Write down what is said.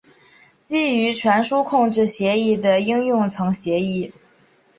基于传输控制协议的应用层协议。